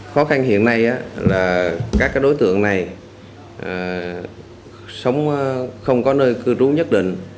khó khăn hiện nay là các đối tượng này sống không có nơi cư trú nhất định